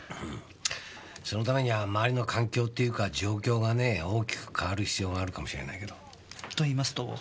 そのためには周りの環境っていうか状況がね大きく変わる必要があるかもしれないけど。と言いますと？